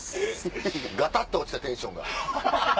ガタっと落ちたテンションが。